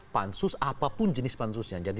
pansus apapun jenis pansusnya